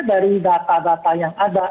dari data data yang ada